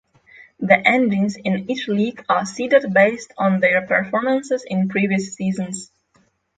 The engines in each league are seeded based on their performances in previous seasons.